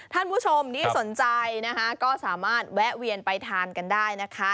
ท่านผู้ชมที่สนใจนะคะก็สามารถแวะเวียนไปทานกันได้นะคะ